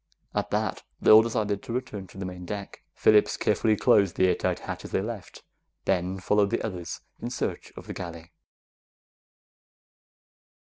At that, they all decided to return to the main deck. Phillips carefully closed the airtight hatch as they left, then followed the others in search of the galley.